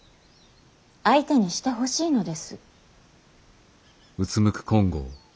相手にしてほしいのです。